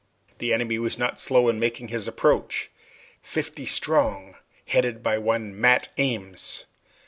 The enemy was not slow in making his approach fifty strong, headed by one Mat Ames.